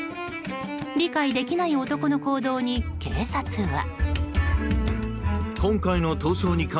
理解できない男の行動に警察は。